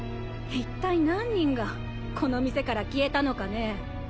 貘何人がこの店から消えたのかね。